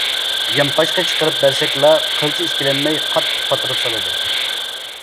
يانپاشقا چىقىپ بەرسەكلا قىلچە ئىككىلەنمەي قاتتىق پاتۇرۇپ سالىدۇ.